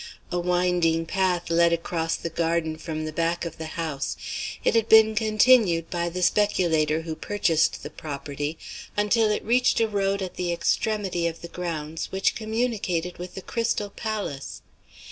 A winding path led across the garden from the back of the house. It had been continued by the speculator who purchased the property, until it reached a road at the extremity of the grounds which communicated with the Crystal Palace.